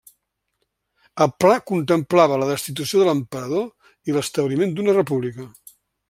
El pla contemplava la destitució de l'emperador i l'establiment d'una república.